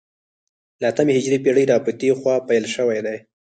له اتمې هجرې پېړۍ را په دې خوا پیل شوی دی